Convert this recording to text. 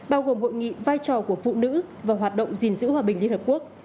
bao gồm hội nghị vai trò của phụ nữ và hoạt động gìn giữ hòa bình liên hợp quốc